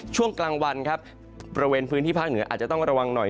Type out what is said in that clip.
ช่วงกลางวันครับบริเวณพื้นที่ภาคเหนืออาจจะต้องระวังหน่อย